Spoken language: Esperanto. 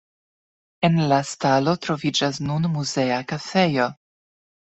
En la stalo troviĝas nun muzea kafejo.